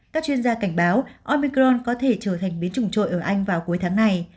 các chuyên gia cảnh báo omicron có thể trở thành biến chủng ở anh vào cuối tháng này